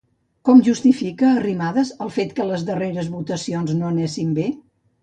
Com justifica Arrimadas el fet que les darreres votacions no anessin bé?